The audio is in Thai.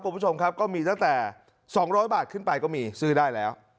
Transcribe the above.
คุณผู้ชมครับก็มีตั้งแต่๒๐๐บาทขึ้นไปก็มีซื้อได้แล้ว